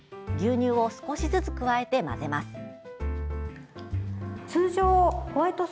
牛乳を少しずつ加えて混ぜます。